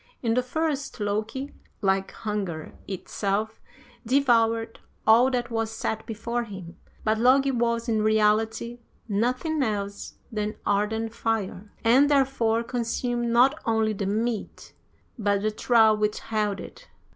In the first, Loki, like hunger itself, devoured all that was set before him, but Logi was, in reality, nothing else than ardent fire, and therefore consumed not only the meat but the trough which held it.